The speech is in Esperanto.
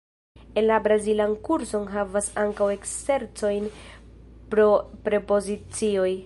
En la brazilan kurson havas ankaŭ eksercojn pro prepozicioj.